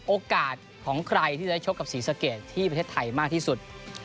โอกาสของใครที่จะได้ชกกับศรีสะเกดที่ประเทศไทยมากที่สุด